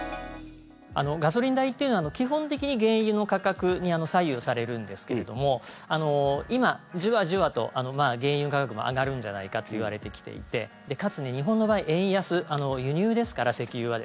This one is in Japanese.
ガソリン代というのは基本的に原油の価格に左右されるんですけれども今、じわじわと原油価格も上がるんじゃないかと言われてきていてかつ、日本の場合円安輸入ですから、石油は。